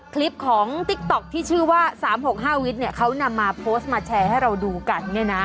คลิปของติ๊กต๊อกที่ชื่อว่าสามหกห้าวิทย์เนี่ยเขานำมาโพสต์มาแชร์ให้เราดูกันเนี่ยนะ